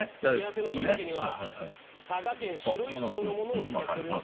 付け合わせのシイタケには佐賀県白石町のものを使っております。